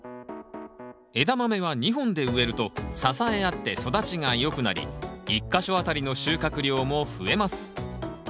エダマメは２本で植えると支え合って育ちが良くなり１か所あたりの収穫量も増えます。